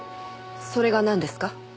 それがなんですか？